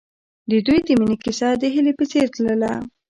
د دوی د مینې کیسه د هیلې په څېر تلله.